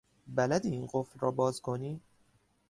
بلدی این قفل را باز کنی؟